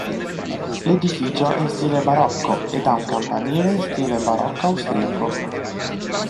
L'edificio è in stile barocco ed ha un campanile in stile barocco austriaco.